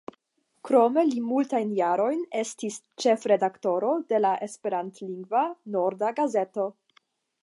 Krome li multajn jarojn estis ĉefredaktoro de la esperantlingva «Norda Gazeto».